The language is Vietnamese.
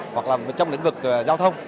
hoặc là trong lĩnh vực giao thông